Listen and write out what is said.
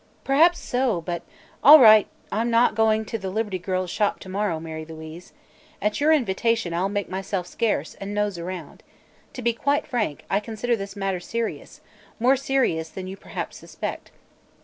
"Perhaps so; but " "All right. I'm not going to the Liberty Girls' Shop to morrow, Mary Louise. At your invitation I'll make myself scarce, and nose around. To be quite frank, I consider this matter serious; more serious than you perhaps suspect.